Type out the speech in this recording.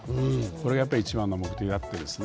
これがやっぱり一番の目的であってですね